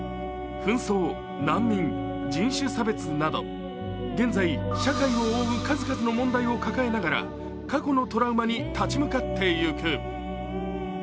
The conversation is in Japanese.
紛争、難民、人種差別など現在社会を覆う数々の問題を抱えながら過去のトラウマに立ち向かっていく。